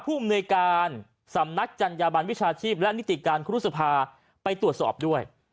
อำนวยการสำนักจัญญาบันวิชาชีพและนิติการครูสภาไปตรวจสอบด้วย